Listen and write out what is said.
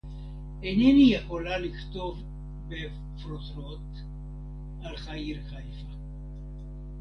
אינני יכולה לכתוב בפרוטרוט על העיר חיפה